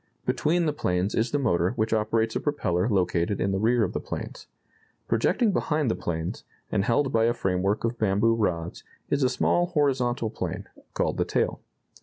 Between the planes is the motor which operates a propeller located in the rear of the planes. Projecting behind the planes, and held by a framework of bamboo rods, is a small horizontal plane, called the tail.